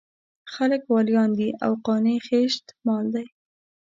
خلک واليان دي او قانع خېشت مال دی.